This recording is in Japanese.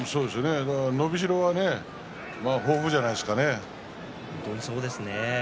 伸びしろは豊富じゃないですかね。